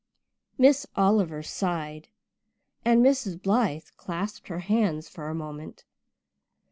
Miss Oliver sighed and Mrs. Blythe clasped her hands for a moment.